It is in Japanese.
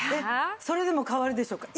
それでも変わるでしょうか。